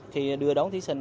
khi đưa đón thí sinh